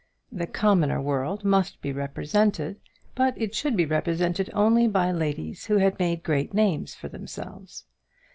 The commoner world must be represented but it should be represented only by ladies who had made great names for themselves.